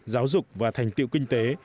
giáo dục và thành tiệu kinh tế